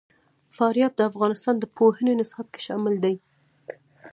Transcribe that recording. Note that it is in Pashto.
فاریاب د افغانستان د پوهنې نصاب کې شامل دي.